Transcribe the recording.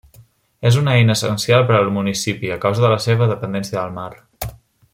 És una eina essencial per al municipi a causa de la seva dependència del mar.